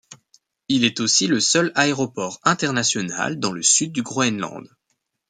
Il est aussi le seul aéroport international dans le sud du Groenland.